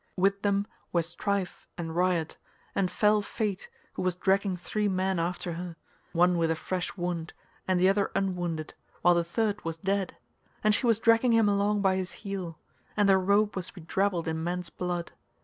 With them were Strife and Riot, and fell Fate who was dragging three men after her, one with a fresh wound, and the other unwounded, while the third was dead, and she was dragging him along by his heel: and her robe was bedrabbled in men's blood.